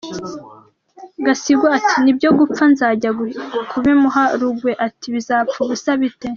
Gasigwa ati``ni byo gupfa nzajya kubimuha’’ Rugwe ati``bizapfa ubusa bite?’’.